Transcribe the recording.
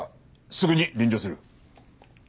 すぐに臨場する。